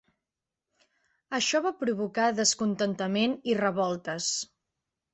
Això va provocar descontentament i revoltes.